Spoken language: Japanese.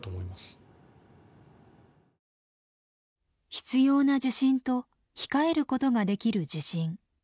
必要な受診と控えることができる受診。